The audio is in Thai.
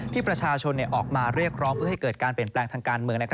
ที่ประชาชนออกมาเรียกร้องเพื่อให้เกิดการเปลี่ยนแปลงทางการเมือง